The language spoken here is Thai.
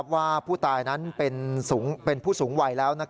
ว่าผู้ตายนั้นเป็นผู้สูงวัยแล้ว